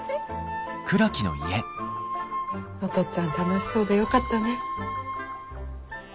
お父っつぁん楽しそうでよかったね。